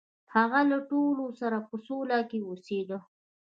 هغه له ټولو سره په سوله کې اوسیده.